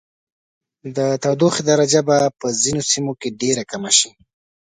د تودوخې درجه به په ځینو سیمو کې ډیره کمه شي.